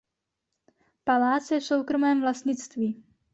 Palác je v soukromém vlastnictví.